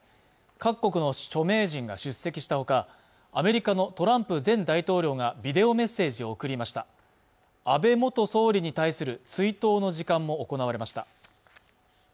各国の著名人が出席したほかアメリカのトランプ前大統領がビデオメッセージを送りました安倍元総理に対する追悼の時間も行われました